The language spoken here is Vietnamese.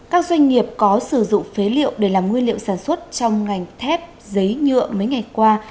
các doanh nghiệp có sử dụng phế liệu để làm nguyên liệu sản xuất trong ngành thép giấy nhựa mấy ngày qua